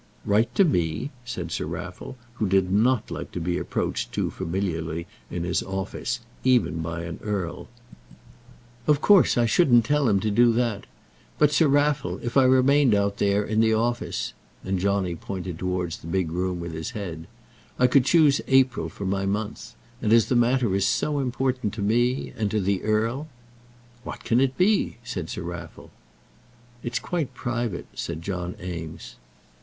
"Write to me," said Sir Raffle, who did not like to be approached too familiarly in his office, even by an earl. "Of course I shouldn't tell him to do that. But, Sir Raffle, if I remained out there, in the office," and Johnny pointed towards the big room with his head, "I could choose April for my month. And as the matter is so important to me, and to the earl " "What can it be?" said Sir Raffle. "It's quite private," said John Eames.